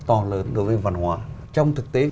to lớn đối với văn hóa trong thực tế